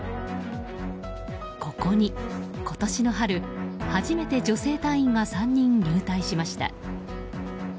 ここに今年の春初めて女性隊員が３人、入隊しました。